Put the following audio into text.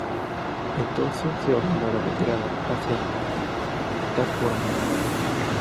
Entonces se ordenó la retirada hacia Tacoronte.